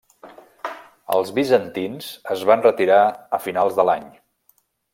Els bizantins es van retirar a finals de l'any.